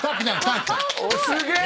すげえ！